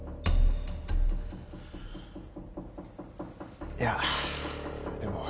いやでも。